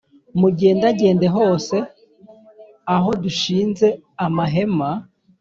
mugendagende hose aho dushinze amahema